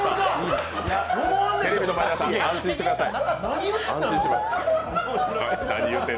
テレビ前の皆さん、安心してください。